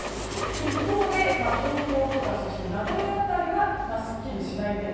一方で、東京とか名古屋辺りはすっきりしない天気。